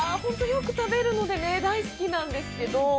◆よく食べるので大好きなんですけど。